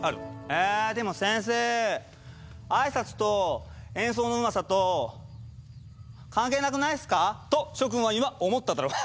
「えでも先生あいさつと演奏のうまさと関係なくないっすか？」と諸君は今思っただろう。